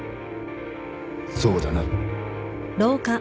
そうだな。